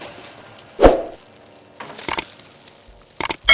iya pak pak